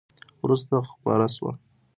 وروسته خپره شوه !